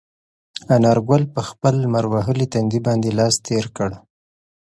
انارګل په خپل لمر وهلي تندي باندې لاس تېر کړ.